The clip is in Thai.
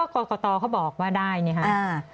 กรกตเขาบอกว่าได้นี่ค่ะ